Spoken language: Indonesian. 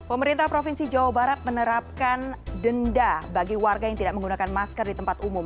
pemerintah provinsi jawa barat menerapkan denda bagi warga yang tidak menggunakan masker di tempat umum